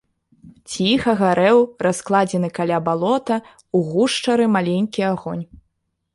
Ціха гарэў раскладзены каля балота ў гушчары маленькі агонь.